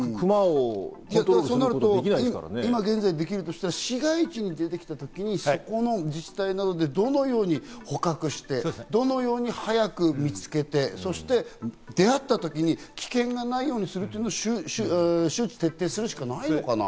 そうなると今現在できるとしたら、市街地に出てきた時にそこの自治体などで、どのように捕獲して、どのように早く見つけて、出会ったときに危険がないようにするということを周知徹底するしかないのかな？